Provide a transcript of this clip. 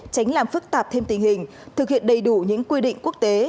tránh làm phức tạp thêm tình hình thực hiện đầy đủ những quy định quốc tế